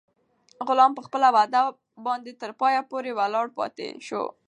غلام په خپله وعده باندې تر پایه پورې ولاړ پاتې شو.